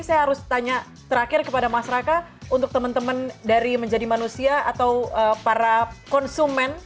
saya harus tanya terakhir kepada mas raka untuk teman teman dari menjadi manusia atau para konsumen